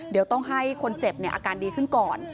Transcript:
เดี๋ยวต้องให้คนเจ็บอาการดีขึ้นก่อน